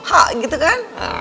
hah gitu kan